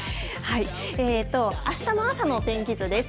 あしたの朝の天気図です。